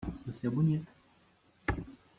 Você é bonito